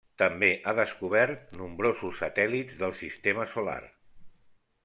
També ha descobert nombrosos satèl·lits del sistema solar.